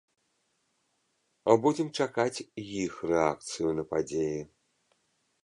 Будзем чакаць іх рэакцыю на падзеі.